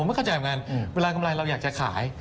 ผมไม่เข้าใจบางอย่างเวลากำไรเราอยากจะขาย